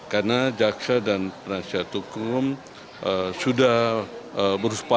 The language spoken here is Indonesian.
karena jaksa dan nasihat hukum sudah berhubungan